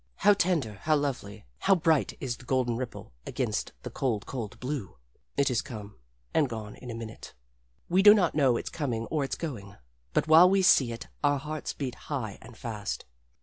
How tender, how lovely, how bright is the golden ripple against the cold, cold blue! It is come and gone in a minute. We do not know its coming or its going. But while we see it our hearts beat high and fast.